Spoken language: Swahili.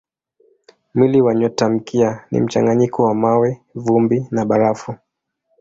Mwili wa nyotamkia ni mchanganyiko wa mawe, vumbi na barafu.